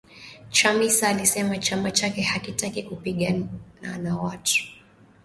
Chamisa alisema chama chake hakitaki kupigana na watu.